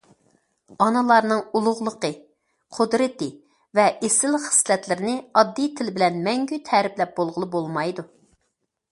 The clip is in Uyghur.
ئانىلارنىڭ ئۇلۇغلۇقى، قۇدرىتى ۋە ئېسىل خىسلەتلىرىنى ئاددىي تىل بىلەن مەڭگۈ تەرىپلەپ بولغىلى بولمايدۇ.